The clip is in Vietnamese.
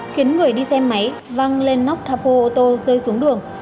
khiến người đi xe máy văng lên nóc tháp hô ô tô rơi xuống đường